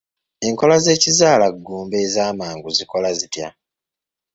Enkola z'ekizaalaggumba ez'amangu zikola zitya?